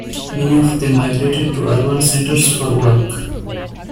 Many of them migrated to urban centers for work.